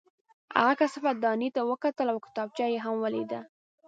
هغه کثافت دانۍ ته وکتل او کتابچه یې هم ولیده